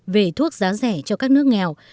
về thuốc giá rẻ cho các nước nghèo